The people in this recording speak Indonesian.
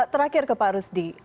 terakhir kepak rusdi